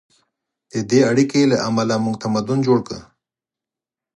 د دې اړیکې له امله موږ تمدن جوړ کړ.